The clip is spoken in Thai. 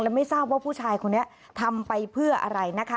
ไม่ทราบว่าผู้ชายคนนี้ทำไปเพื่ออะไรนะคะ